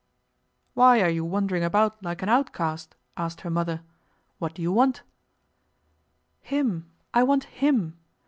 "Why are you wandering about like an outcast?" asked her mother. "What do you want?" "Him... I want him...